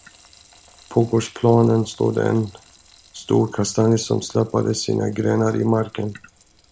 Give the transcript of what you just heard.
På gårdsplanen stod en stor kastanj som släpade sina grenar i marken.